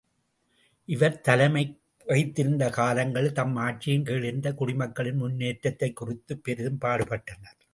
இவர் தலைமை வகித்திருந்த காலங்களில் தம் ஆட்சியின் கீழிருந்த குடிமக்களின் முன்னேற்றத்தைக் குறித்துப் பெரிதும் பாடுபட்டனர்.